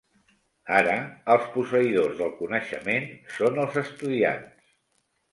Ara, els posseïdors del coneixement són els estudiants.